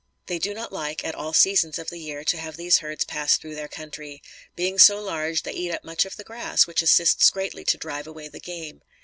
They do not like, at all seasons of the year, to have these herds pass through their country. Being so large, they eat up much of their grass, which assists greatly to drive away the game.